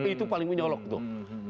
itu paling menyolok tuh